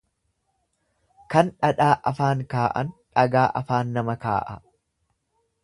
Kan dhadhaa afaan kaa'an dhagaa afaan nama kaa'a.